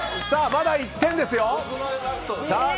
まだ１点ですよ！